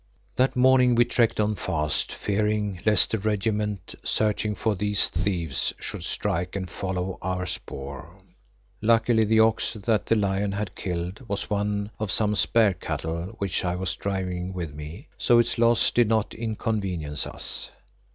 That morning we trekked on fast, fearing lest a regiment searching for these "thieves" should strike and follow our spoor. Luckily the ox that the lion had killed was one of some spare cattle which I was driving with me, so its loss did not inconvenience us.